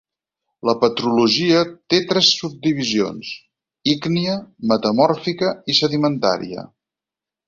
La petrologia té tres subdivisions, ígnia, metamòrfica i sedimentària.